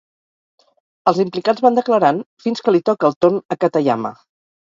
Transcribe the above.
Els implicats van declarant fins que li toca el torn a Katayama.